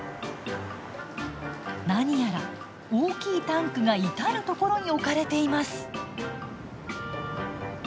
何やら大きいタンクが至る所に置かれています。